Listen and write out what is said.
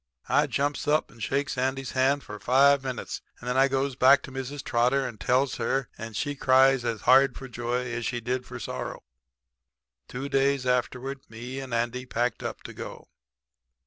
"I jumps up and shakes Andy's hand for five minutes, and then I goes back to Mrs. Trotter and tells her, and she cries as hard for joy as she did for sorrow. "Two days afterward me and Andy packed up to go.